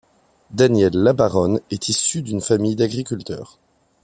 Daniel Labaronne est issu d'une famille d'agriculteurs.